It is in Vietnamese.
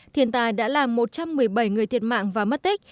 thiên tài đã làm một trăm một mươi bảy người thiệt mạng và mất tích